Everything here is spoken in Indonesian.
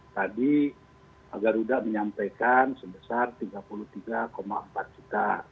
tadi garuda menyampaikan sebesar rp tiga puluh tiga empat juta